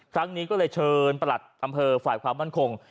ครั้งนี้ก็เลยเชิญประหลัดอำเภอฝ่ายความมั่นคง